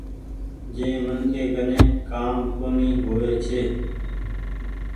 جنهن منکي ڪني ڪآم ڪونيٚ هووي ڇي۔